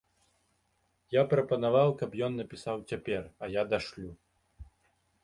Я прапанаваў, каб ён напісаў цяпер, а я дашлю.